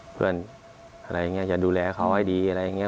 เพื่อนอะไรอย่างนี้จะดูแลเขาให้ดีอะไรอย่างนี้